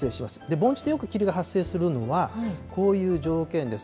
盆地でよく霧が発生するのは、こういう条件です。